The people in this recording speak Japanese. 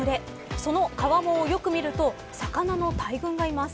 その川面をよく見ると魚の大群がいます。